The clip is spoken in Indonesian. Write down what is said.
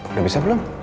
udah bisa belum